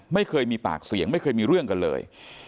ไม่เคยมีปากเสียงไม่เคยมีเรื่องกันเลย